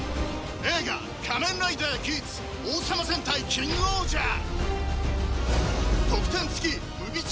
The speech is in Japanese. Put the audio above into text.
映画『仮面ライダーギーツ』『王様戦隊キングオージャー』